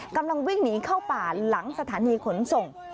กำลังวิ่งหนีเข้าป่าหลังสถานีขนส่ง